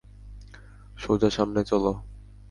সোজা সামনে চলো।